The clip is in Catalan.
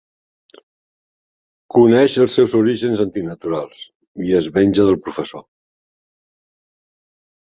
Coneix els seus orígens antinaturals i es venja del professor.